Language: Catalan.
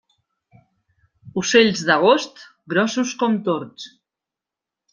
Ocells d'agost, grossos com tords.